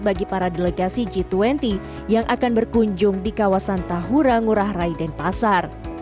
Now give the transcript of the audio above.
bagi para delegasi g dua puluh yang akan berkunjung di kawasan tahurangurah raiden pasar